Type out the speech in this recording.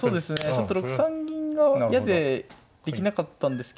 ちょっと６三銀打が嫌でできなかったんですけど。